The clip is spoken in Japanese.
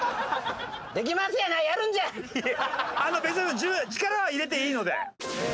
あの力は入れていいので。